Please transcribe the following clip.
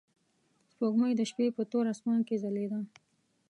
سپوږمۍ د شپې په تور اسمان کې ځلېده.